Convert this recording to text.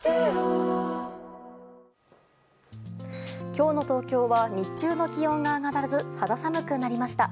今日の東京は日中の気温が上がらず肌寒くなりました。